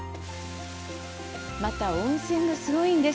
また温泉がすごいんです。